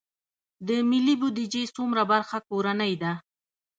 د ملي بودیجې څومره برخه کورنۍ ده؟